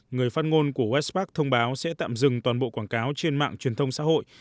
người phát ngôn của westpac thông báo sẽ tạm dừng toàn bộ quảng cáo trên mạng truyền thông xã hội